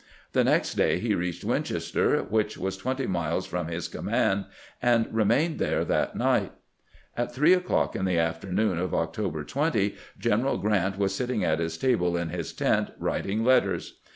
The next day he reached Winchester, which was twenty miles from his command, and remained there that night. At three o'clock on the afternoon of October 20 G en eral Grant was sitting at his table in his tent, writing letters.